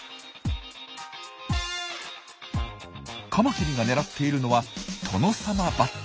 カマキリが狙っているのはトノサマバッタ。